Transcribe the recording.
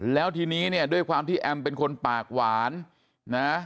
แล้วทีนี้เนี่ยด้วยความที่แอมเป็นคนปากหวานนะ